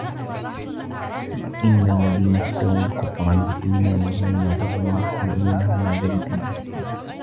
إن الذين اشتروا الكفر بالإيمان لن يضروا الله شيئا ولهم عذاب أليم